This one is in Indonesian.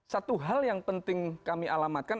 satu hal yang penting kami alamatkan